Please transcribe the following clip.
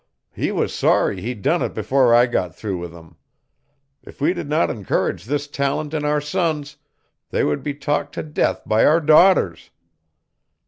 He was sorry he done it before I got through with him. If we did not encourage this talent in our sons they would be talked to death by our daughters.